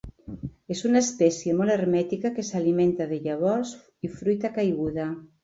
És una espècie molt hermètica que s'alimenta de llavors i fruita caiguda.